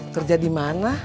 kerja di mana